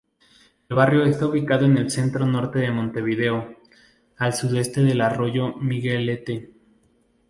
El barrio está ubicado en el centro-norte de Montevideo, al sudeste del arroyo Miguelete.